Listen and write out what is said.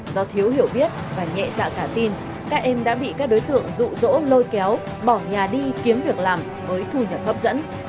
do thiếu hiểu biết và nhẹ dạ cả tin các em đã bị các đối tượng rụ rỗ lôi kéo bỏ nhà đi kiếm việc làm với thu nhập hấp dẫn